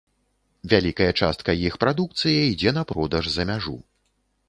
Вялікая частка іх прадукцыя ідзе на продаж за мяжу.